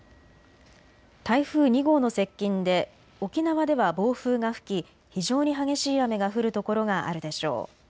台風２号の接近で沖縄では暴風が吹き非常に激しい雨が降る所があるでしょう。